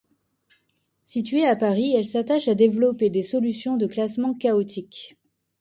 Située à Paris, elle s’attache à développer des solutions de classement chaotique.